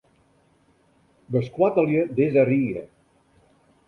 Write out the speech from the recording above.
Beskoattelje dizze rige.